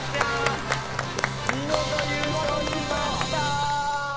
見事優勝しました！